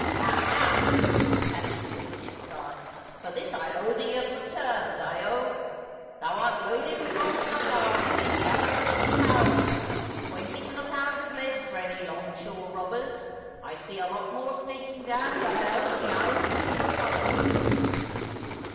"Ha, ha!" with a pat of the breech, he cried; "for this I owe thee a good turn, Dyo. Thou art loaded with rocks, my darling, as the other was with cowries. Twenty to the pound of lead for any long shore robbers. I see a lot more sneaking down. Dyo, now for sport, my boy."